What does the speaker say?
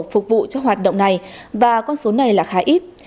phục vụ cho hoạt động này và con số này là khá ít